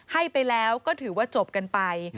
ให้ไปแล้วก็ถือว่าจบกันไป